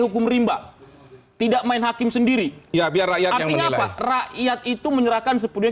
yang merimbang tidak main hakim sendiri ya biar rakyat yang rakyat itu menyerahkan sepenuhnya